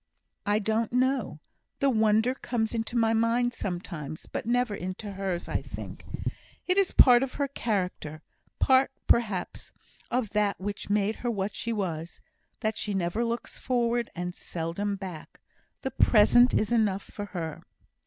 "I don't know. The wonder comes into my mind sometimes; but never into hers, I think. It is part of her character part perhaps of that which made her what she was that she never looks forward, and seldom back. The present is enough for her."